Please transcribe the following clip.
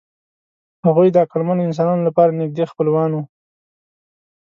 هغوی د عقلمنو انسانانو لپاره نږدې خپلوان وو.